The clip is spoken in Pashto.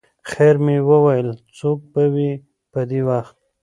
خیر مې وویل څوک به وي په دې وخت.